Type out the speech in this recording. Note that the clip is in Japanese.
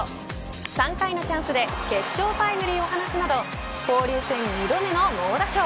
３回のチャンスで決勝タイムリーを放つなど交流戦２度目の猛打賞。